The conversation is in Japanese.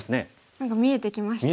何か見えてきましたね。